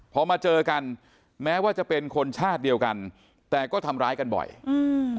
พอมาเจอกันแม้ว่าจะเป็นคนชาติเดียวกันแต่ก็ทำร้ายกันบ่อยอืม